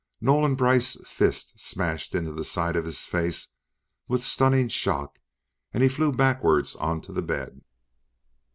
Nolan Brice's fist smashed into the side of his face with stunning shock and he flew backwards onto the bed.